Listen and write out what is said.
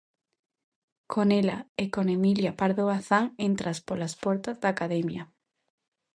Con ela e con Emilia Pardo Bazán entras polas portas da Academia.